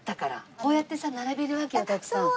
こうやってさ並べるわけよたくさん。